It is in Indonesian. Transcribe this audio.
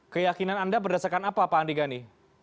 keyakinan anda berdasarkan apa pak andi gani